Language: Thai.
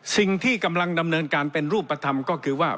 สิ่งที่กำลังดำเนินการเป็นรูปธรรมก็คือว่า